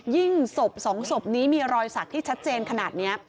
ศพสองศพนี้มีรอยสักที่ชัดเจนขนาดนี้